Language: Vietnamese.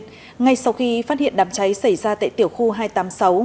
quốc gia hồng liên ngay sau khi phát hiện đám cháy xảy ra tại tiểu khu hai trăm tám mươi sáu